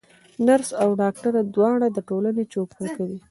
نرس او ډاکټر دواړه د ټولني چوپړ کوي.